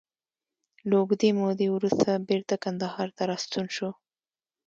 له اوږدې مودې وروسته بېرته کندهار ته راستون شو.